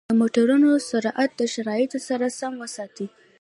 د موټرو سرعت د شرایطو سره سم وساتئ.